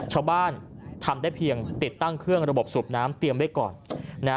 ชาวบ้านทำได้เพียงติดตั้งเครื่องระบบสูบน้ำเตรียมไว้ก่อนนะ